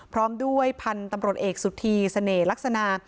พร้อมด้วยพันธุ์ตำรวจเอกสุธีเสน่ห์ลักษณะ